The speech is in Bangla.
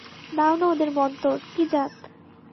দাও না ওদের মন্তর, কি জাত?